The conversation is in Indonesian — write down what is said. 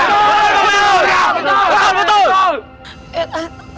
iya betul betul betul